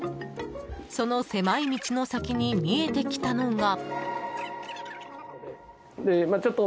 その狭い道の先に見えてきたのが。